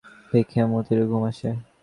দেখিয়া মতিরও ঘুম আসে।